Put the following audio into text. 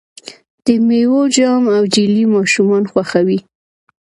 د میوو جام او جیلی ماشومان خوښوي.